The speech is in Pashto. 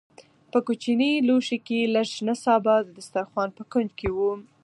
په کوچني لوښي کې لږ شنه سابه د دسترخوان په کونج کې وو.